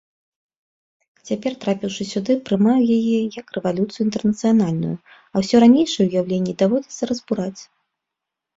Цяпер, трапіўшы сюды, прымаю яе як рэвалюцыю інтэрнацыянальную, а ўсе ранейшыя ўяўленні даводзіцца разбураць.